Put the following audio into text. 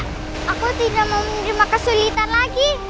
oh tidak tidak aku tidak mau menerima kesulitan lagi